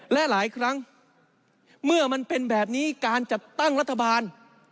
และหลายครั้งเมื่อมันเป็นแบบนี้การจัดตั้งรัฐบาล